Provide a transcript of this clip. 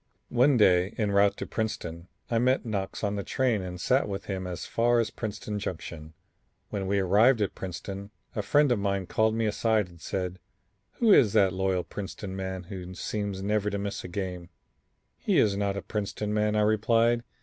One day en route to Princeton I met Knox on the train and sat with him as far as Princeton Junction. When we arrived at Princeton, a friend of mine called me aside and said: "Who is that loyal Princeton man who seems never to miss a game?" "He is not a Princeton man," I replied.